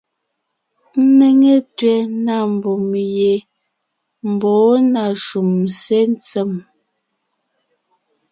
Ńnéŋe tẅɛ̀ na mbùm ye mbɔ̌ na shúm sé ntsèm.